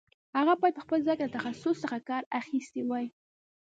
هغه باید په هغه ځای کې له تخصص څخه کار اخیستی وای.